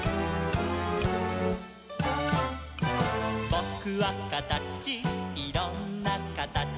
「ぼくはかたちいろんなかたち」